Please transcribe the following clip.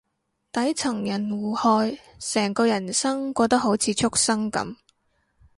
底層人互害，成個人生過得好似畜生噉